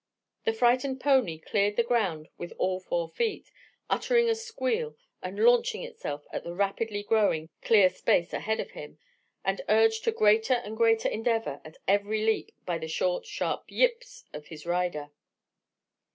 The frightened pony cleared the ground with all four feet, uttering a squeal, and launching itself at the rapidly narrowing clear space ahead of him; and urged to greater and greater endeavor at every leap by the short, sharp "yips" of his rider.